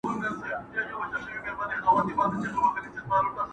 دلته کيسه له يوې پېښي پورته کيږي او فلسفي بڼه خپلوي،